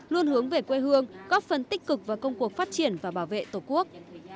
luôn hướng về quê hương góp phần tích cực vào công cuộc phát triển và bảo vệ tổ quốc